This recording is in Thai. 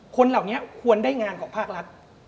คนเหล่านี้ควรได้งานของภาครัฐ